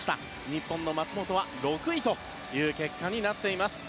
日本の松元は６位という結果になっています。